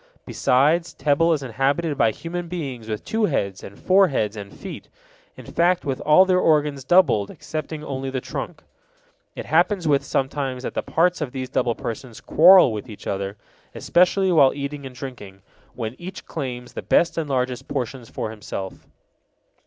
Besides, Tebel is inhabited by human beings with two heads and four hands and feet, in fact with all their organs doubled excepting only the trunk. It happens sometimes that the parts of these double persons quarrel with each other, especially while eating and drinking, when each claims the best and largest portions for himself.